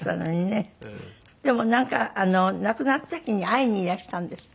でもなんか亡くなった日に会いにいらしたんですって？